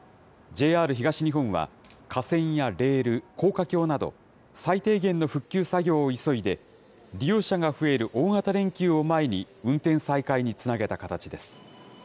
ＪＲ東日本は、架線やレール、高架橋など、最低限の復旧作業を急いで、利用者が増える大型連休を前に運転再開につなげた形です。